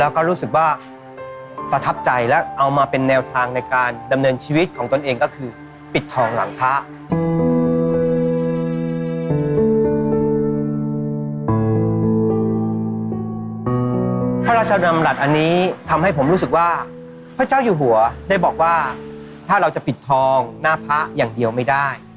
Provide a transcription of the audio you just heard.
แล้วก็รู้สึกว่าประทับใจและเอามาเป็นแนวทางในการดำเนินชีวิตของตนเองก็คือปิดทองหลังพระพระราชดำรัฐอันนี้ทำให้ผมรู้สึกว่าพระเจ้าอยู่หัวได้บอกว่าถ้าเราจะปิดทองหน้าพระอย่างเดียวไม่ได้